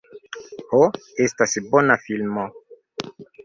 Ho, estas bona filmo.